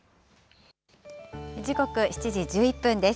時刻７時１１分です。